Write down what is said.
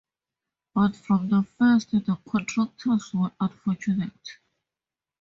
But from the first the contractors were unfortunate.